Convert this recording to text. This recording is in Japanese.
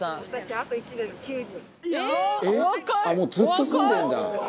もうずっと住んでるんだ」